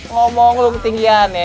ngomong lu ketinggian ya